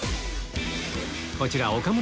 こちら岡村